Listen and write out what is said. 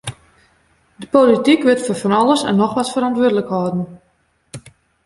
De polityk wurdt foar fan alles en noch wat ferantwurdlik holden.